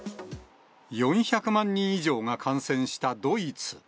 ４００万人以上が感染したドイツ。